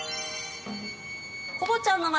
コボちゃんの街